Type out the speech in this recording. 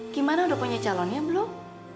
gimana udah punya calonnya belum